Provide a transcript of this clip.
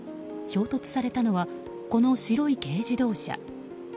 衝突されたのはこの白い軽自動車。